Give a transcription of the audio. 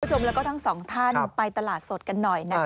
คุณผู้ชมแล้วก็ทั้งสองท่านไปตลาดสดกันหน่อยนะคะ